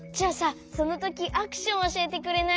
そのときアクションおしえてくれない？